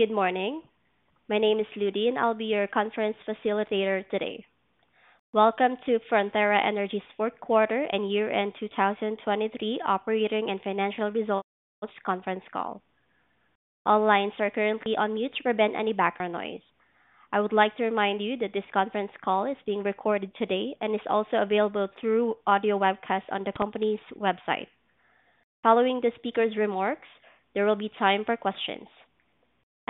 Good morning. My name is Ludi and I'll be your conference facilitator today. Welcome to Frontera Energy's Fourth Quarter and Year-End 2023 Operating and Financial Results Conference Call. All lines are currently on mute to prevent any background noise. I would like to remind you that this conference call is being recorded today and is also available through audio webcast on the company's website. Following the speaker's remarks, there will be time for questions.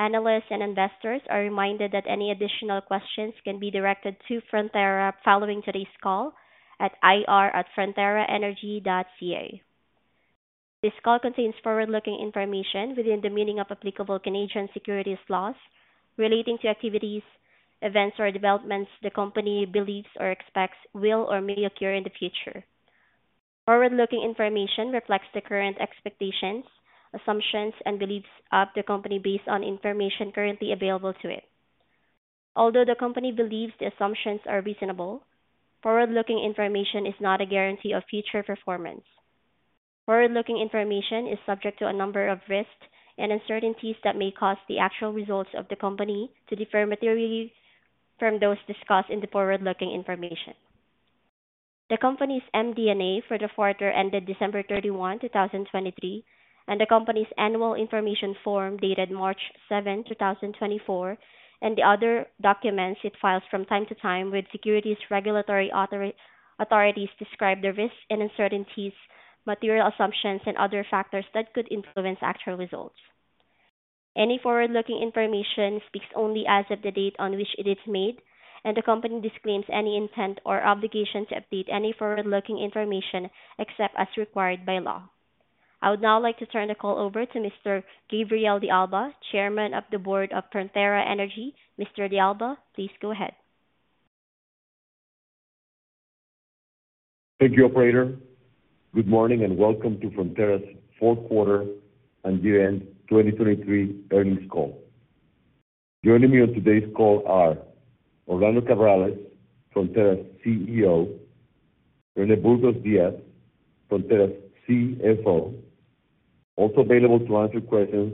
Analysts and investors are reminded that any additional questions can be directed to Frontera following today's call at ir@fronteraenergy.ca. This call contains forward-looking information within the meaning of applicable Canadian securities laws relating to activities, events, or developments the company believes or expects will or may occur in the future. Forward-looking information reflects the current expectations, assumptions, and beliefs of the company based on information currently available to it. Although the company believes the assumptions are reasonable, forward-looking information is not a guarantee of future performance. Forward-looking information is subject to a number of risks and uncertainties that may cause the actual results of the company to differ materially from those discussed in the forward-looking information. The company's MD&A for the quarter ended December 31, 2023, and the company's annual information form dated March 7, 2024, and the other documents it files from time to time with securities regulatory authorities describe the risks and uncertainties, material assumptions, and other factors that could influence actual results. Any forward-looking information speaks only as of the date on which it is made, and the company disclaims any intent or obligation to update any forward-looking information except as required by law. I would now like to turn the call over to Mr. Gabriel de Alba, Chairman of the Board of Frontera Energy. Mr. De Alba, please go ahead. Thank you, Operator. Good morning and welcome to Frontera's fourth quarter and year-end 2023 earnings call. Joining me on today's call are Orlando Cabrales, Frontera's CEO; René Burgos Díaz, Frontera's CFO. Also available to answer questions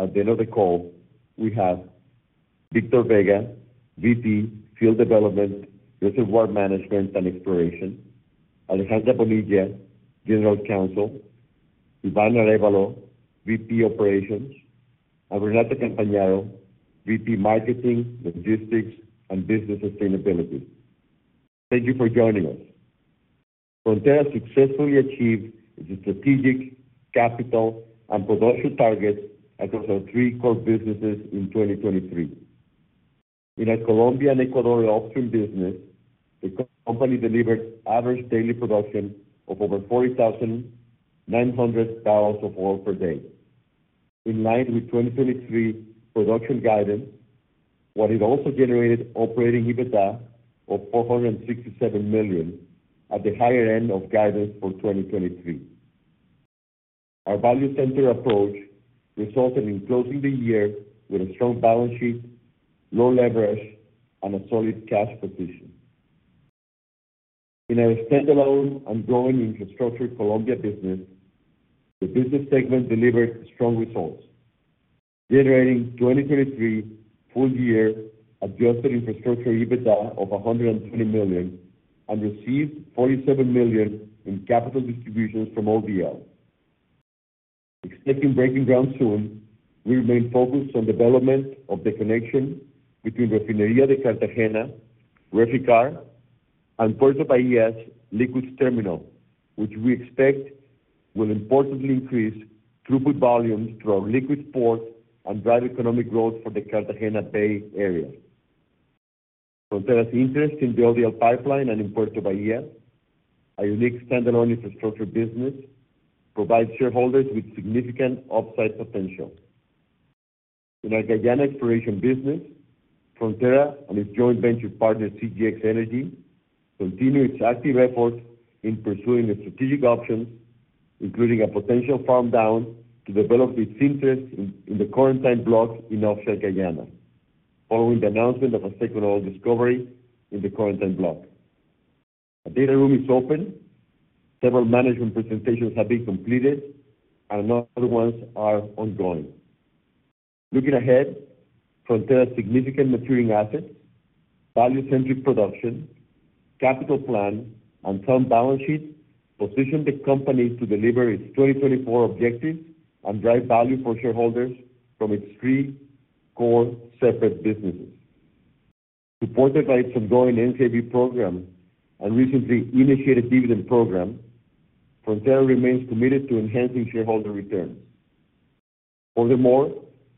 at the end of the call we have Victor Vega, VP Field Development, Reservoir Management and Exploration; Alejandra Bonilla, General Counsel; Iván Arévalo, VP Operations; and Renata Campagnaro, VP Marketing, Logistics, and Business Sustainability. Thank you for joining us. Frontera successfully achieved its strategic capital and production targets across our three core businesses in 2023. In our Colombia and Ecuador offshore business, the company delivered average daily production of over 4,900 barrels of oil per day. In line with 2023 production guidance, what it also generated operating EBITDA of $467 million at the higher end of guidance for 2023. Our value center approach resulted in closing the year with a strong balance sheet, low leverage, and a solid cash position. In our standalone and growing infrastructure Colombia business, the business segment delivered strong results, generating 2023 full year adjusted infrastructure EBITDA of $120 million and received $47 million in capital distributions from ODL. Expecting breaking ground soon, we remain focused on development of the connection between Refinería de Cartagena, Reficar, and Puerto Bahía's liquids terminal, which we expect will importantly increase throughput volumes through our liquids port and drive economic growth for the Cartagena Bay area. Frontera's interest in the ODL pipeline and in Puerto Bahía, a unique standalone infrastructure business, provides shareholders with significant upside potential. In our Guyana exploration business, Frontera and its joint venture partner CGX Energy continue its active efforts in pursuing the strategic options, including a potential farm down to develop its interest in the Corentyne block in offshore Guyana, following the announcement of a second oil discovery in the Corentyne block. A data room is open. Several management presentations have been completed, and other ones are ongoing. Looking ahead, Frontera's significant maturing assets, value-centric production, capital plan, and strong balance sheet position the company to deliver its 2024 objectives and drive value for shareholders from its three core separate businesses. Supported by its ongoing NCIB program and recently initiated dividend program, Frontera remains committed to enhancing shareholder returns. Furthermore,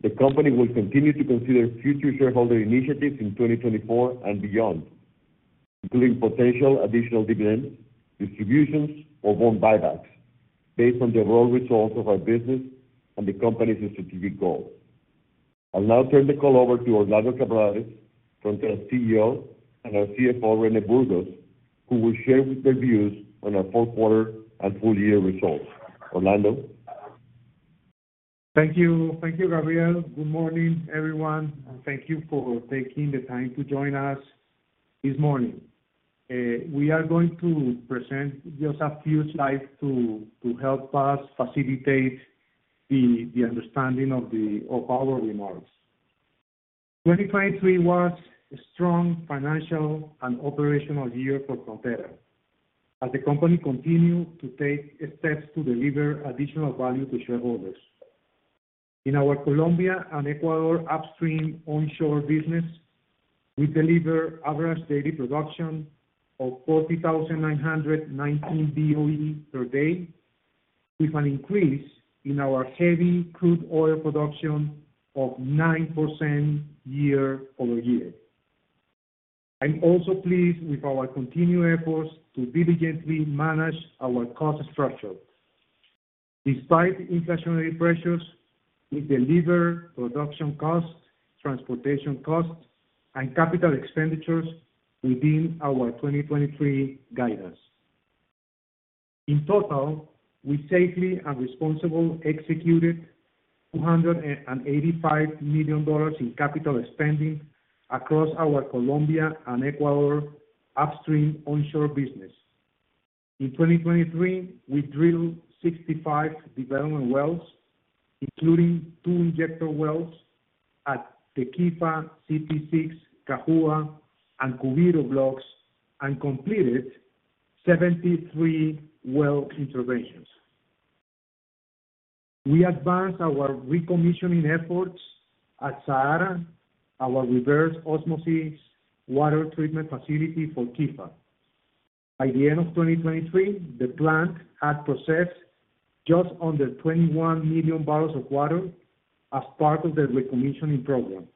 the company will continue to consider future shareholder initiatives in 2024 and beyond, including potential additional dividend distributions or bond buybacks based on the overall results of our business and the company's strategic goal. I'll now turn the call over to Orlando Cabrales, Frontera's CEO, and our CFO René Burgos, who will share their views on our fourth quarter and full year results. Orlando? Thank you. Thank you, Gabriel. Good morning, everyone. Thank you for taking the time to join us this morning. We are going to present just a few slides to help us facilitate the understanding of our remarks. 2023 was a strong financial and operational year for Frontera as the company continued to take steps to deliver additional value to shareholders. In our Colombia and Ecuador upstream onshore business, we deliver average daily production of 40,919 BOE per day, with an increase in our heavy crude oil production of 9% year-over-year. I'm also pleased with our continued efforts to diligently manage our cost structure. Despite inflationary pressures, we deliver production costs, transportation costs, and capital expenditures within our 2023 guidance. In total, we safely and responsibly executed $285 million in capital spending across our Colombia and Ecuador upstream onshore business. In 2023, we drilled 65 development wells, including two injector wells at Quifa, CPE-6, Cajua, and Cubiro blocks, and completed 73 well interventions. We advanced our recommissioning efforts at Sahara, our reverse osmosis water treatment facility for Quifa. By the end of 2023, the plant had processed just under 21 million barrels of water as part of the recommissioning program,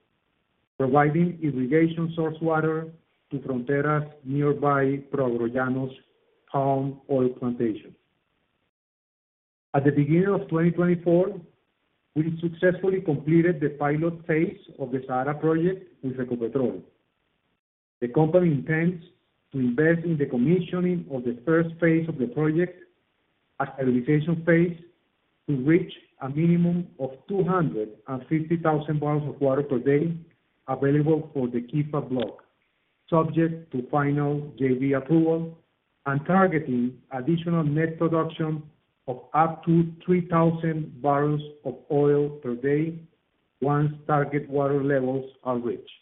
providing irrigation source water to Frontera's nearby ProAgro Llanos palm oil plantation. At the beginning of 2024, we successfully completed the pilot phase of the Sahara project with Ecopetrol. The company intends to invest in the commissioning of the first phase of the project as a realization phase to reach a minimum of 250,000 barrels of water per day available for the Quifa block, subject to final JV approval, and targeting additional net production of up to 3,000 barrels of oil per day once target water levels are reached.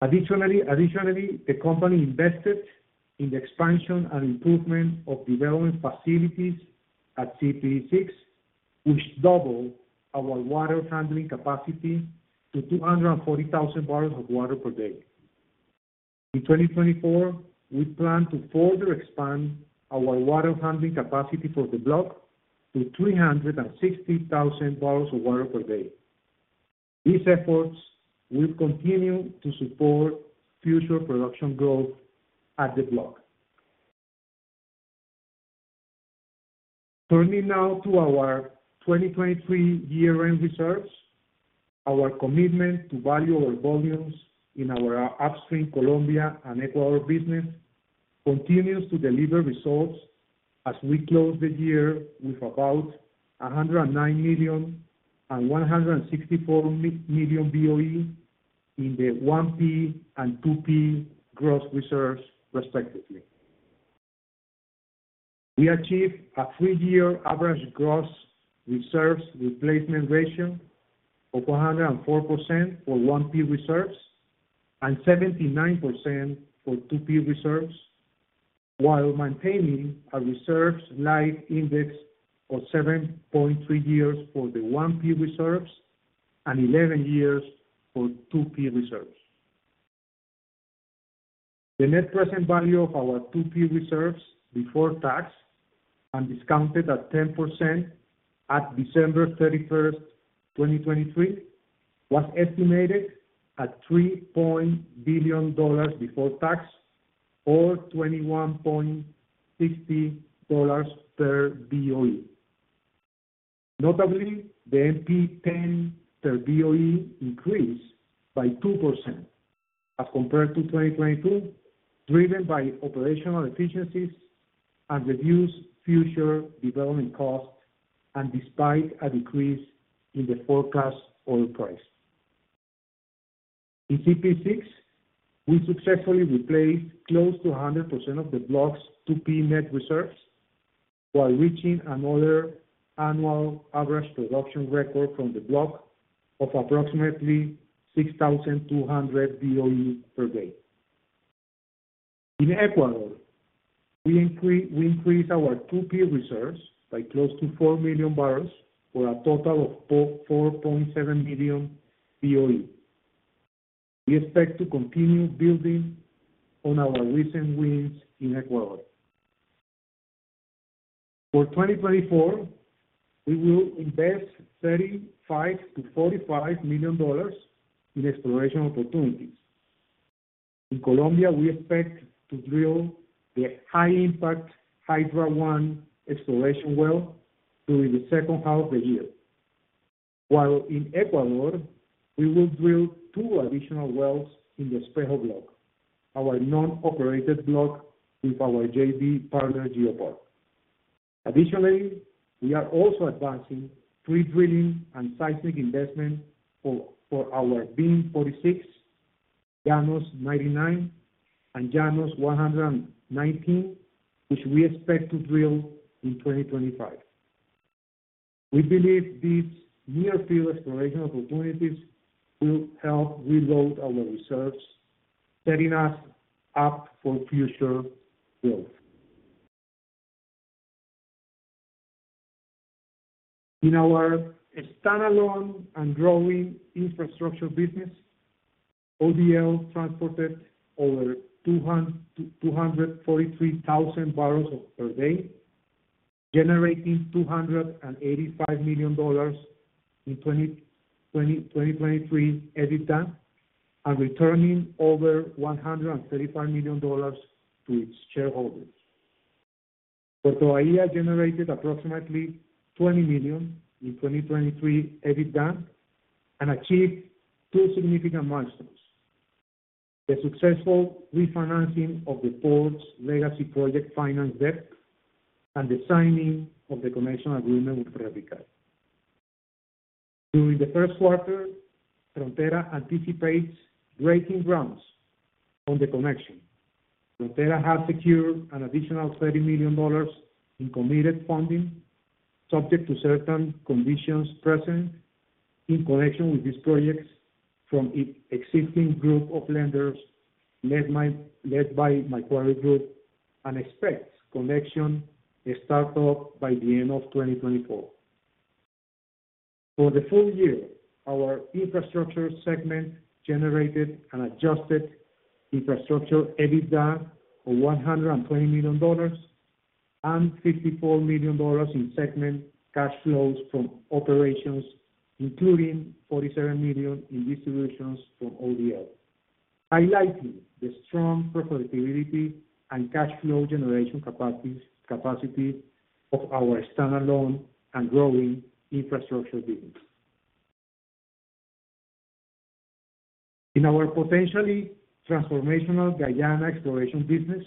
Additionally, the company invested in the expansion and improvement of development facilities at CPE-6, which doubled our water handling capacity to 240,000 barrels of water per day. In 2024, we plan to further expand our water handling capacity for the block to 360,000 barrels of water per day. These efforts will continue to support future production growth at the block. Turning now to our 2023 year-end results, our commitment to value our volumes in our upstream Colombia and Ecuador business continues to deliver results as we close the year with about 109 million and 164 million BOE in the 1P and 2P gross reserves, respectively. We achieved a three-year average gross reserves replacement ratio of 104% for 1P reserves and 79% for 2P reserves, while maintaining a reserves life index of 7.3 years for the 1P reserves and 11 years for 2P reserves. The net present value of our 2P reserves before tax and discounted at 10% at December 31st, 2023, was estimated at $3 billion before tax or $21.60 per BOE. Notably, the NP10 per BOE increased by 2% as compared to 2022, driven by operational efficiencies and reduced future development costs and despite a decrease in the forecast oil price. In CP6, we successfully replaced close to 100% of the block's 2P net reserves while reaching another annual average production record from the block of approximately 6,200 BOE per day. In Ecuador, we increased our 2P reserves by close to 4 million barrels for a total of 4.7 million BOE. We expect to continue building on our recent wins in Ecuador. For 2024, we will invest $35-$45 million in exploration opportunities. In Colombia, we expect to drill the high-impact Hydra One exploration well during the second half of the year, while in Ecuador, we will drill two additional wells in the Espejo block, our non-operated block with our JV partner GeoPark. Additionally, we are also advancing pre-drilling and seismic investment for our VIM-46, Llanos 99, and Llanos 119, which we expect to drill in 2025. We believe these near-field exploration opportunities will help reload our reserves, setting us up for future growth. In our standalone and growing infrastructure business, ODL transported over 243,000 barrels per day, generating $285 million in 2023 EBITDA and returning over $135 million to its shareholders. Puerto Bahía generated approximately $20 million in 2023 EBITDA and achieved two significant milestones: the successful refinancing of the port's legacy project finance debt and the signing of the commission agreement with Reficar. During the first quarter, Frontera anticipates breaking ground on the connection. Frontera has secured an additional $30 million in committed funding, subject to certain conditions present in connection with these projects from its existing group of lenders led by Macquarie Group and expects connection to start up by the end of 2024. For the full year, our infrastructure segment generated an adjusted infrastructure EBITDA of $120 million and $54 million in segment cash flows from operations, including $47 million in distributions from ODL, highlighting the strong profitability and cash flow generation capacity of our standalone and growing infrastructure business. In our potentially transformational Guyana exploration business,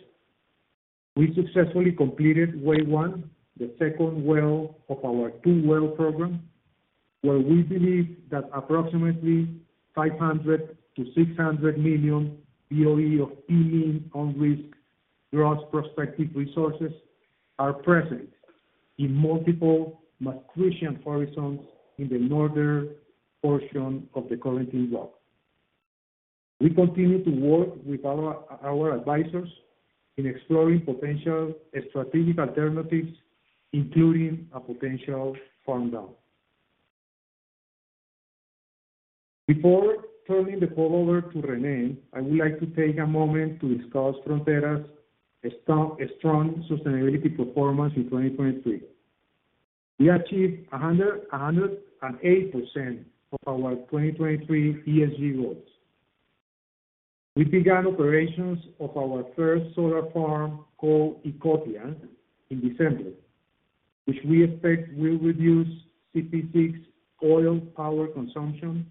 we successfully completed Wei-1, the second well of our 2-well program, where we believe that approximately 500-600 million BOE of PMean on-risk gross prospective resources are present in multiple Maastrichtian horizons in the northern portion of the Corentyne block. We continue to work with our advisors in exploring potential strategic alternatives, including a potential farm-down. Before turning the call over to René, I would like to take a moment to discuss Frontera's strong sustainability performance in 2023. We achieved 108% of our 2023 ESG goals. We began operations of our first solar farm called Icotea in December, which we expect will reduce CP6 oil power consumption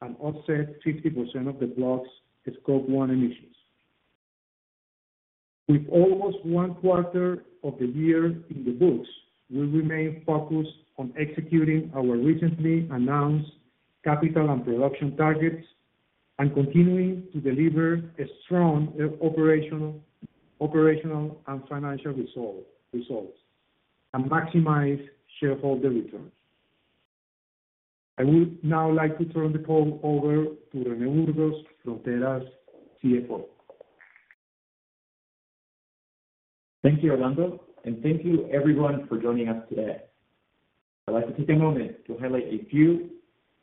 and offset 50% of the block's Scope 1 emissions. With almost one quarter of the year in the books, we remain focused on executing our recently announced capital and production targets and continuing to deliver strong operational and financial results and maximize shareholder returns. I would now like to turn the call over to René Burgos, Frontera's CFO. Thank you, Orlando. Thank you, everyone, for joining us today. I'd like to take a moment to highlight a few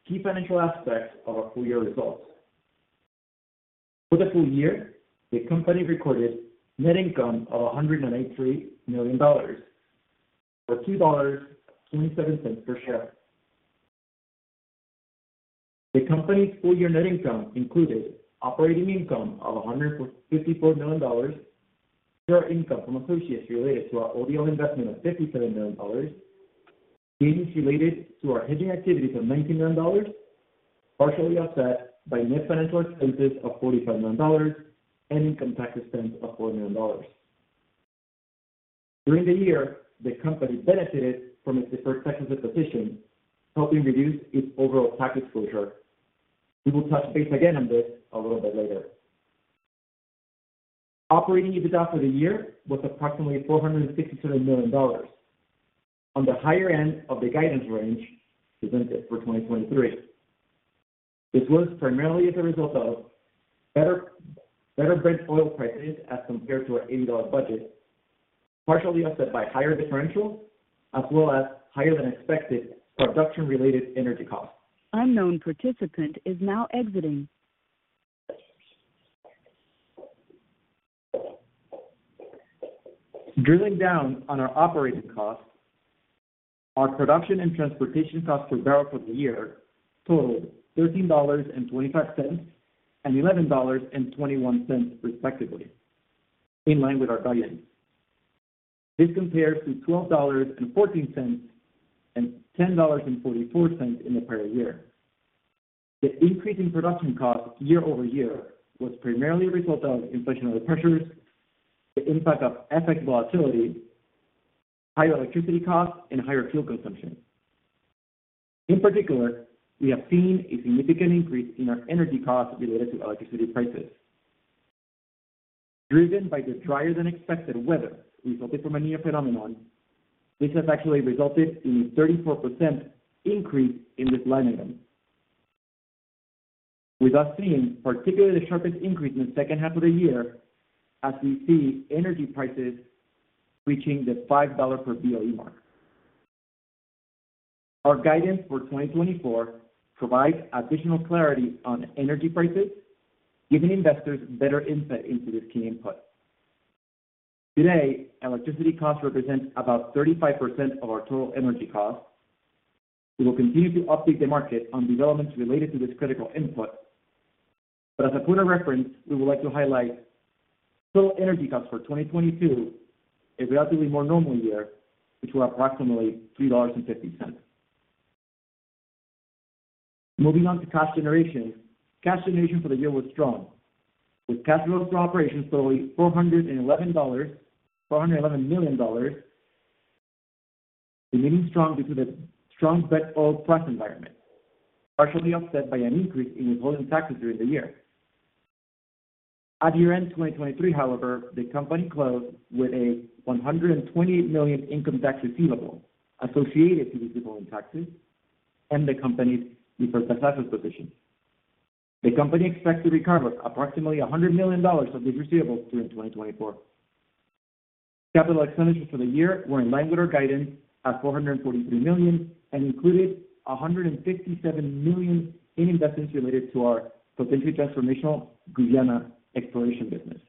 key financial aspects of our full year results. For the full year, the company recorded net income of $183 million or $2.27 per share. The company's full year net income included operating income of $154 million, current income from associates related to our ODL investment of $57 million, gains related to our hedging activities of $19 million, partially offset by net financial expenses of $45 million, and income tax expense of $4 million. During the year, the company benefited from its deferred taxes deposition, helping reduce its overall tax exposure. We will touch base again on this a little bit later. Operating EBITDA for the year was approximately $467 million, on the higher end of the guidance range presented for 2023. This was primarily as a result of better Brent oil prices as compared to our $80 budget, partially offset by higher differentials, as well as higher than expected production-related energy costs. Unknown participant is now exiting. Drilling down on our operating costs, our production and transportation costs per barrel for the year totaled $13.25 and $11.21, respectively, in line with our guidance. This compares to $12.14 and $10.44 in the prior year. The increase in production costs year-over-year was primarily a result of inflationary pressures, the impact of FX volatility, higher electricity costs, and higher fuel consumption. In particular, we have seen a significant increase in our energy costs related to electricity prices. Driven by the drier than expected weather resulting from El Niño phenomenon, this has actually resulted in a 34% increase in this line item, with us seeing particularly the sharpest increase in the second half of the year as we see energy prices reaching the $5 per BOE mark. Our guidance for 2024 provides additional clarity on energy prices, giving investors better insight into this key input. Today, electricity costs represent about 35% of our total energy costs. We will continue to update the market on developments related to this critical input. But as a point of reference, we would like to highlight total energy costs for 2022, a relatively more normal year, which were approximately $3.50. Moving on to cash generation, cash generation for the year was strong, with cash flows for operations totaling $411 million, remaining strong due to the strong Brent oil price environment, partially offset by an increase in withholding taxes during the year. At year-end 2023, however, the company closed with a $128 million income tax receivable associated to these withholding taxes and the company's deferred taxes position. The company expects to recover approximately $100 million of these receivables during 2024. Capital expenditures for the year were in line with our guidance at $443 million and included $157 million in investments related to our potentially transformational Guyana exploration business.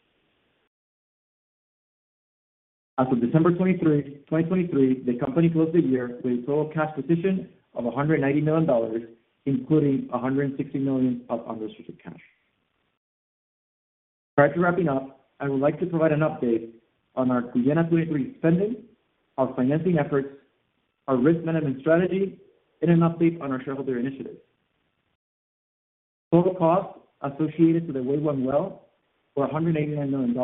As of December 23, 2023, the company closed the year with a total cash position of $190 million, including $160 million of unrestricted cash. Prior to wrapping up, I would like to provide an update on our Guyana 2023 spending, our financing efforts, our risk management strategy, and an update on our shareholder initiatives. Total costs associated to the Wei-1 well were $189 million.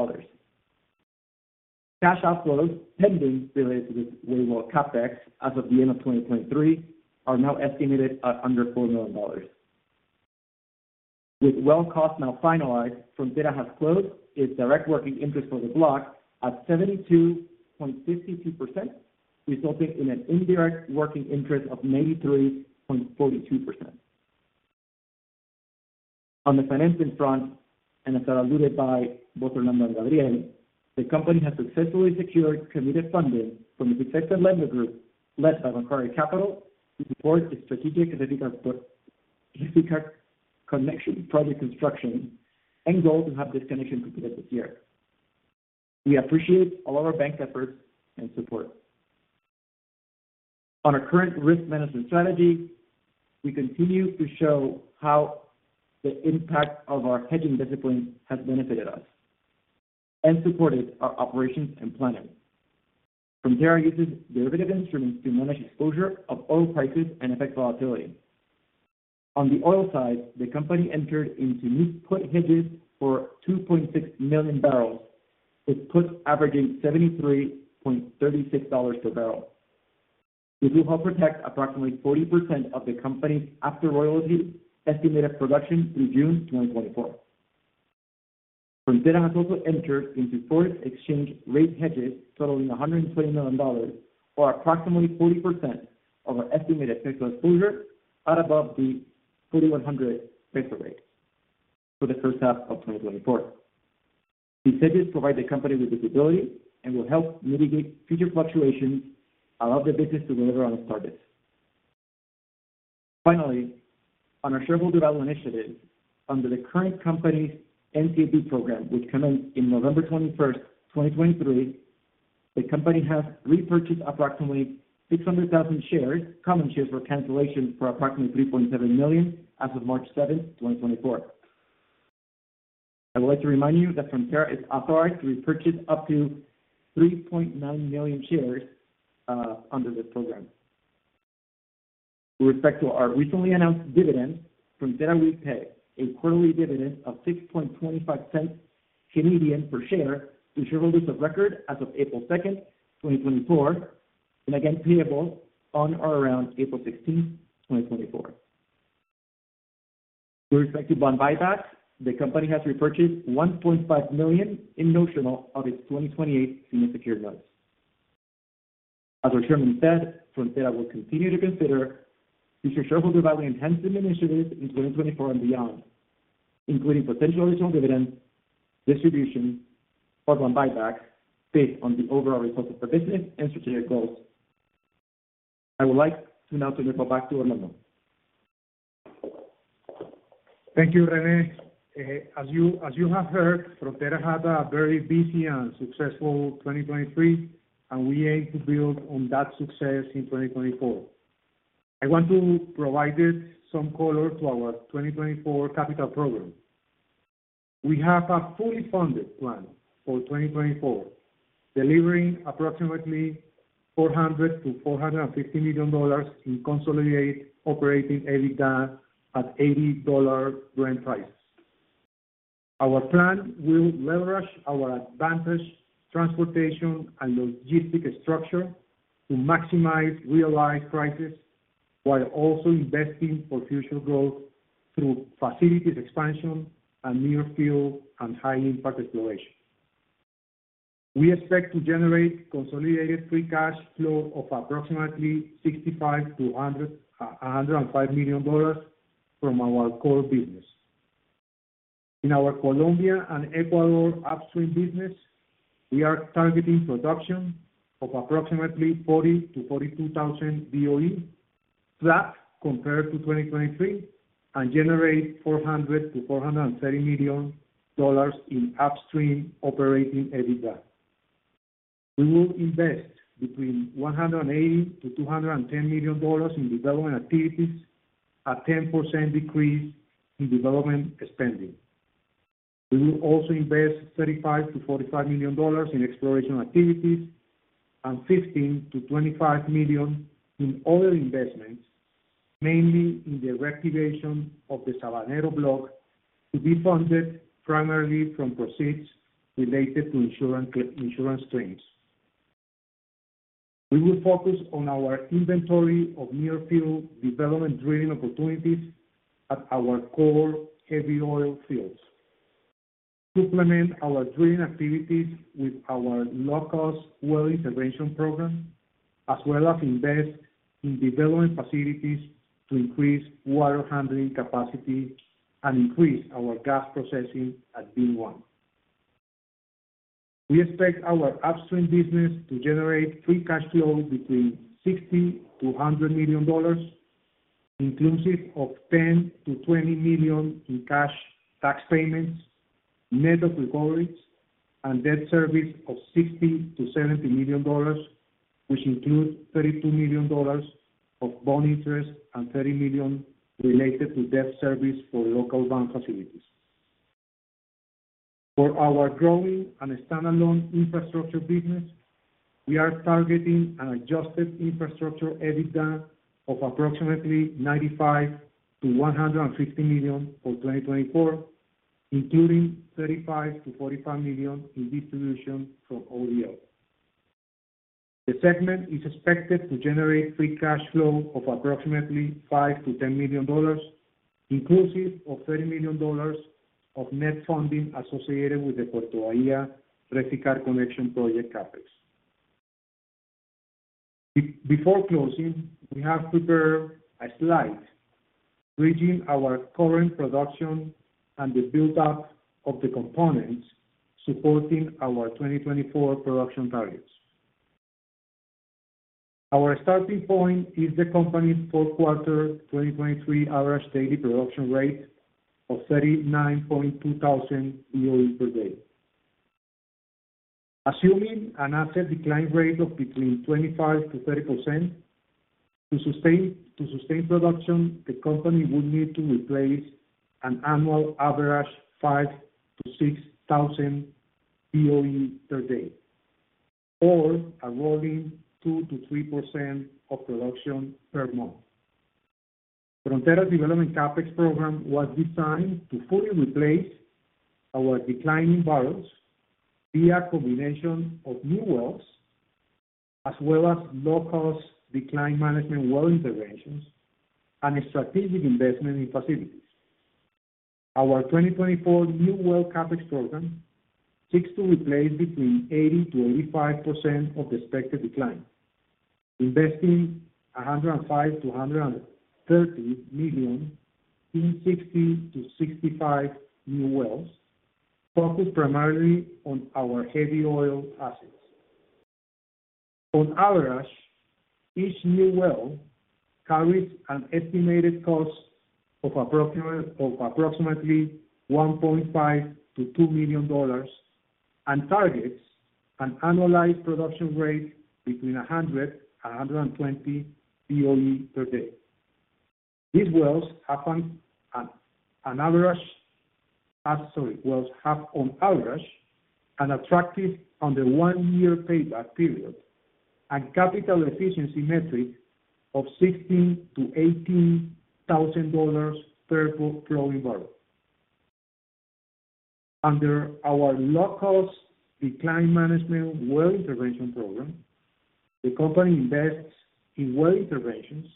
Cash outflows pending related to this Wei-1 well CapEx as of the end of 2023 are now estimated at under $4 million. With well costs now finalized, Frontera has closed its direct working interest for the block at 72.52%, resulting in an indirect working interest of 93.42%. On the financing front, and as had alluded by both Orlando and Gabriel, the company has successfully secured committed funding from its existing lender group led by Macquarie Group to support its strategic Reficar connection project construction and goal to have this connection completed this year. We appreciate all our bank efforts and support. On our current risk management strategy, we continue to show how the impact of our hedging discipline has benefited us and supported our operations and planning. Frontera uses derivative instruments to manage exposure of oil prices and effect volatility. On the oil side, the company entered into new put hedges for 2.6 million barrels, with puts averaging $73.36 per barrel. This will help protect approximately 40% of the company's after-royalty estimated production through June 2024. Frontera has also entered into forex exchange rate hedges totaling $120 million or approximately 40% of our estimated Peso exposure at above the 4,100 Peso rate for the first half of 2024. These hedges provide the company with visibility and will help mitigate future fluctuations, allow the business to deliver on its targets. Finally, on our shareholder value initiatives, under the current company's NCIB program, which commenced in November 21st, 2023, the company has repurchased approximately 600,000 shares, common shares for cancellation, for approximately $3.7 million as of March 7th, 2024. I would like to remind you that Frontera is authorized to repurchase up to 3.9 million shares under this program. With respect to our recently announced dividend, Frontera will pay a quarterly dividend of 0.0625 per share to shareholders of record as of April 2nd, 2024, and again payable on or around April 16th, 2024. With respect to bond buybacks, the company has repurchased $1.5 million in notional of its 2028 senior secured notes. As our chairman said, Frontera will continue to consider future shareholder value enhancement initiatives in 2024 and beyond, including potential additional dividend distribution or bond buybacks based on the overall results of the business and strategic goals. I would like to now turn the call back to Orlando. Thank you, René. As you have heard, Frontera had a very busy and successful 2023, and we aim to build on that success in 2024. I want to provide some color to our 2024 capital program. We have a fully funded plan for 2024, delivering approximately $400-$450 million in consolidated operating EBITDA at $80 Brent prices. Our plan will leverage our advantaged transportation and logistic structure to maximize realized prices while also investing for future growth through facilities expansion and near field and high-impact exploration. We expect to generate consolidated free cash flow of approximately $65-$105 million from our core business. In our Colombia and Ecuador upstream business, we are targeting production of approximately 40,000-42,000 BOE flat compared to 2023 and generate $400-$430 million in upstream operating EBITDA. We will invest between $180-$210 million in development activities, a 10% decrease in development spending. We will also invest $35-$45 million in exploration activities and $15-$25 million in other investments, mainly in the reactivation of the Sabanero block to be funded primarily from proceeds related to insurance claims. We will focus on our inventory of near field development drilling opportunities at our core heavy oil fields, supplement our drilling activities with our low-cost well intervention program, as well as invest in development facilities to increase water handling capacity and increase our gas processing at VIM-1. We expect our upstream business to generate free cash flow between $60-$100 million, inclusive of $10-$20 million in cash tax payments, net of recovery, and debt service of $60-$70 million, which include $32 million of bond interest and $30 million related to debt service for local bank facilities. For our growing and standalone infrastructure business, we are targeting an adjusted infrastructure EBITDA of approximately $95-$150 million for 2024, including $35-$45 million in distribution from ODL. The segment is expected to generate free cash flow of approximately $5-$10 million, inclusive of $30 million of net funding associated with the Puerto Bahía Reficar connection project CapEx. Before closing, we have prepared a slide bridging our current production and the buildup of the components supporting our 2024 production targets. Our starting point is the company's four-quarter 2023 average daily production rate of 39,200 BOE per day. Assuming an asset decline rate of between 25%-30% to sustain production, the company would need to replace an annual average 5,000-6,000 BOE per day or a rolling 2%-3% of production per month. Frontera's development CapEx program was designed to fully replace our declining barrels via a combination of new wells as well as low-cost decline management well interventions and strategic investment in facilities. Our 2024 new well CapEx program seeks to replace between 80%-85% of the expected decline, investing $105-$130 million in 60-65 new wells focused primarily on our heavy oil assets. On average, each new well carries an estimated cost of approximately $1.5-$2 million and targets an annualized production rate between 100-120 BOE per day. These wells have an average, wells have on average an attractive under 1-year payback period and capital efficiency metric of $16,000-$18,000 per flowing barrel. Under our low-cost decline management well intervention program, the company invests in well interventions,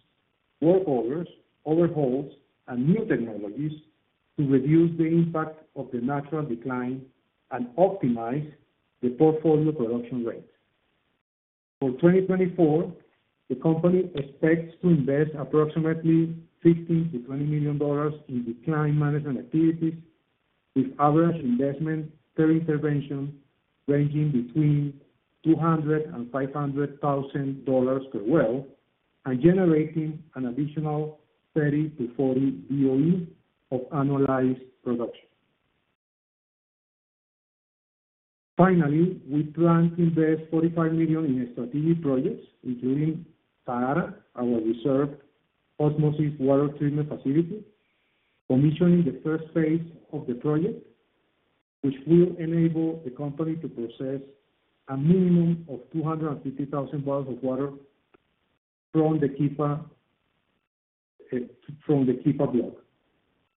work orders, overhauls, and new technologies to reduce the impact of the natural decline and optimize the portfolio production rate. For 2024, the company expects to invest approximately $15-$20 million in decline management activities with average investment per intervention ranging between $200-$500 thousand per well and generating an additional 30-40 BOE of annualized production. Finally, we plan to invest $45 million in strategic projects, including Sahara, our reverse osmosis water treatment facility, commissioning the first phase of the project, which will enable the company to process a minimum of 250,000 barrels of water from the Quifa block,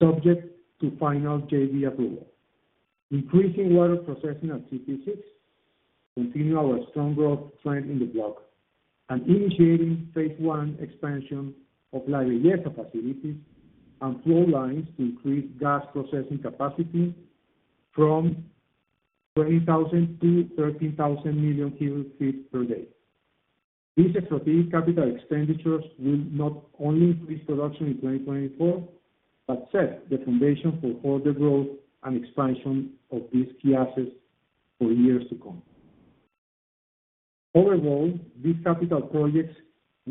subject to final JV approval. Increasing water processing at CP6, continue our strong growth trend in the block, and initiating phase one expansion of La Reyesa facilities and flow lines to increase gas processing capacity from 20,000 to 13,000 million cubic feet per day. These strategic capital expenditures will not only increase production in 2024 but set the foundation for further growth and expansion of these key assets for years to come. Overall, these capital projects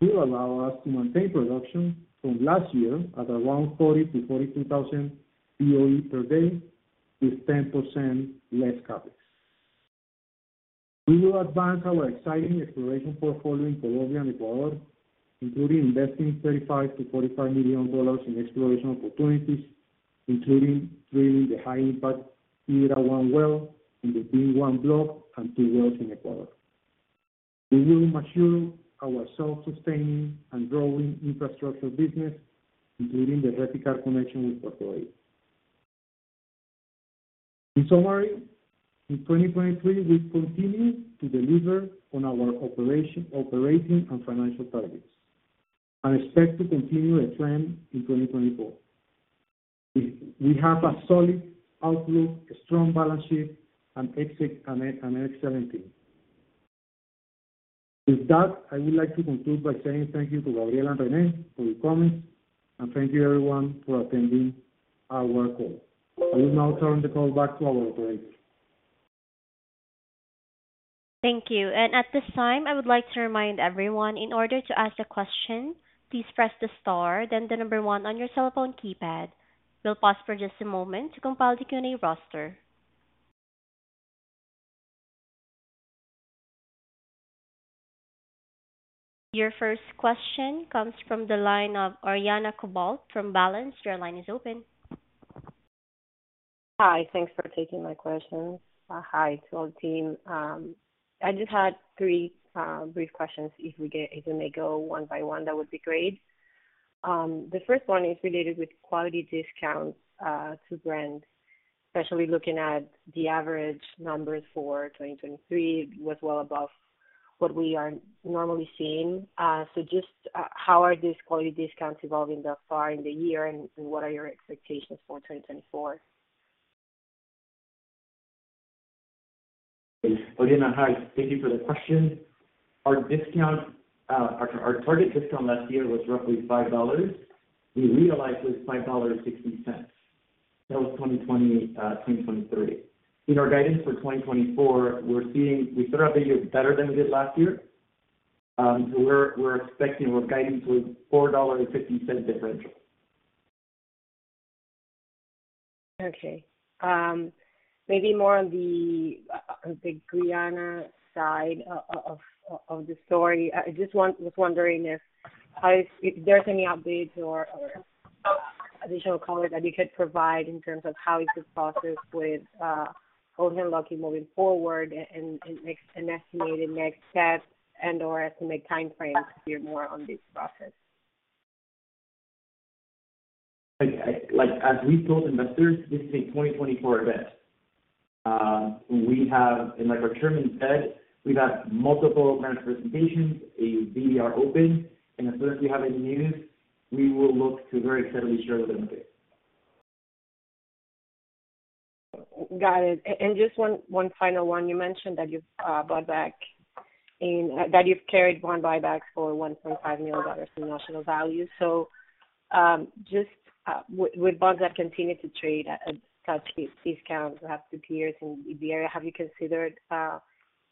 will allow us to maintain production from last year at around 40-42 thousand BOE per day with 10% less CapEx. We will advance our exciting exploration portfolio in Colombia and Ecuador, including investing $35-$45 million in exploration opportunities, including drilling the high-impact Hydra-1 well in the VIM-1 block and two wells in Ecuador. We will mature our self-sustaining and growing infrastructure business, including the Reficar connection with Puerto Bahía. In summary, in 2023, we continue to deliver on our operating and financial targets and expect to continue the trend in 2024. We have a solid outlook, strong balance sheet, and an excellent team. With that, I would like to conclude by saying thank you to Gabriel and René for your comments, and thank you everyone for attending our call. I will now turn the call back to our operator. Thank you. At this time, I would like to remind everyone, in order to ask a question, please press the star, then the number one on your cell phone keypad. We'll pause for just a moment to compile the Q&A roster. Your first question comes from the line of Ariana Cobalt from Balanz. Your line is open. Hi. Thanks for taking my questions. Hi to our team. I just had three brief questions. If we may go one by one, that would be great. The first one is related with quality discounts to brands, especially looking at the average numbers for 2023. It was well above what we are normally seeing. So just how are these quality discounts evolving thus far in the year, and what are your expectations for 2024? Ariana, hi. Thank you for the question. Our target discount last year was roughly $5. We realized it was $5.60. That was 2023. In our guidance for 2024, we're seeing we started out the year better than we did last year. So we're expecting our guidance was $4.50 differential. Okay. Maybe more on the Guyana side of the story. I just was wondering if there's any updates or additional colors that you could provide in terms of how is this process with Houlihan Lokey moving forward and an estimated next step and/or estimate timeframe. Hear more on this process. As we told investors, this is a 2024 event. In our Chairman's letter, we've had multiple management presentations, a VDR open, and as soon as we have any news, we will look to very excitedly share with them. Okay. Got it. And just one final one. You mentioned that you've bought back in that you've carried bond buybacks for $1.5 million in notional value. So just with bonds that continue to trade at such discounts perhaps 20s in the area, have you considered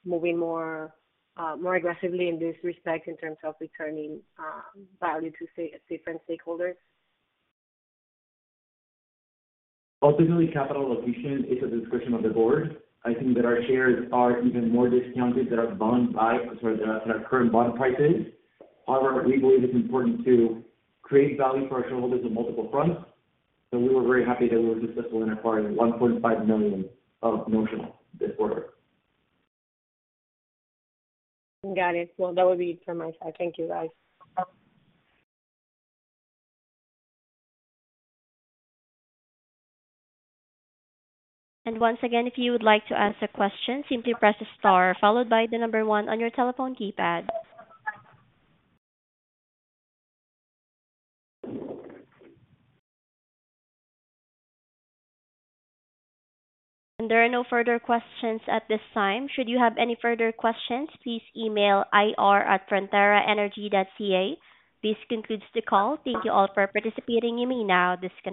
moving more aggressively in this respect in terms of returning value to different stakeholders? Ultimately, capital allocation is a discretion of the board. I think that our shares are even more discounted than our current bond prices. However, we believe it's important to create value for our shareholders on multiple fronts. So we were very happy that we were successful in acquiring $1.5 million of notional this quarter. Got it. Well, that would be it from my side. Thank you, guys. And once again, if you would like to ask a question, simply press the star followed by the number 1 on your telephone keypad. And there are no further questions at this time. Should you have any further questions, please email ir@fronteraenergy.ca. This concludes the call. Thank you all for participating. You may now disconnect.